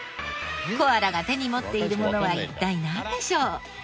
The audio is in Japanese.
コアラが手に持っているものは一体なんでしょう？